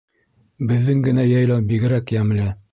Беҙҙең генә йәйләу бигерәк йәмле